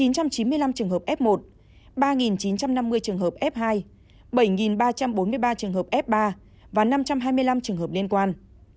một chín trăm chín mươi năm trường hợp f một ba chín trăm năm mươi trường hợp f hai bảy ba trăm bốn mươi ba trường hợp f ba và năm trăm hai mươi năm trường hợp liên quan